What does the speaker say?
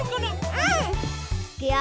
うん！いくよ！